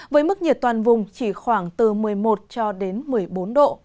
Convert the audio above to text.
với mức nhiệt toàn vùng chỉ khoảng từ một mươi một một mươi bốn độ